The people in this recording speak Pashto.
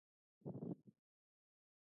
هر کار په بسم الله پیل کړئ.